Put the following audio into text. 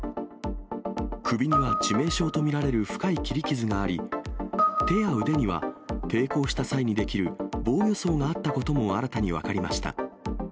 首には致命傷と見られる深い切り傷があり、手や腕には抵抗した際に出来る防御創があったことも、新たに分かりました。